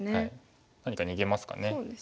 何か逃げますかね。